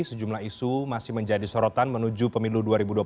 sejumlah isu masih menjadi sorotan menuju pemilu dua ribu dua puluh